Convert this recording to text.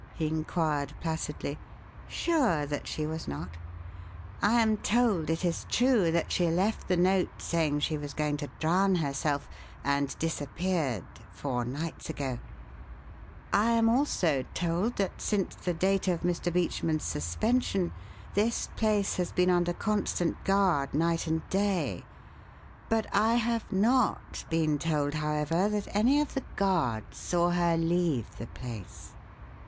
he inquired placidly. "Sure that she was not? I am told, it is true, that she left the note saying she was going to drown herself, and disappeared four nights ago; I am also told that since the date of Mr. Beachman's suspension this place has been under constant guard night and day, but I have not been told, however, that any of the guards saw her leave the place.